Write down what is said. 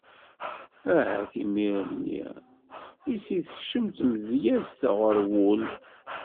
Ahat imir-nni i s-tekcem tmedyazt ɣer wul.